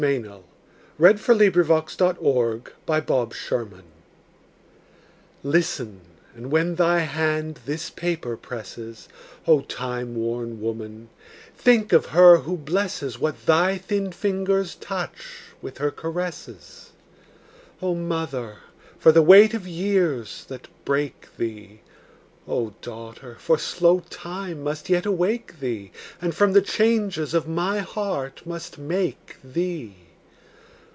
U V . W X . Y Z A Letter from a Girl to Her Own Old Age LISTEN, and when thy hand this paper presses, O time worn woman, think of her who blesses What thy thin fingers touch, with her caresses. O mother, for the weight of years that break thee! O daughter, for slow time must yet awake thee, And from the changes of my heart must make thee!